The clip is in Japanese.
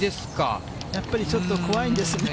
やっぱりちょっと怖いんですね。